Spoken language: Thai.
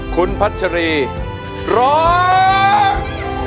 คุณพัชรีร้อง